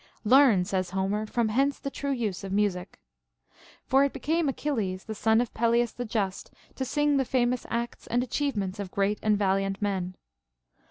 * Learn, says Homer, from hence the true use of music. For it became Achilles, the son of Peleus the Just, to sing the famous acts and achievements of great and valiant men.